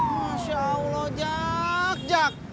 masya allah jak jak